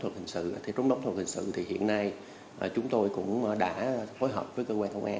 với việc xử lý nợ theo chậm đóng thuộc hình sự hiện nay chúng tôi đã phối hợp với cơ quan thông an